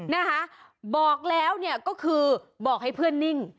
นะคะบอกแล้วเนี่ยก็คือบอกให้เพื่อนนิ่ง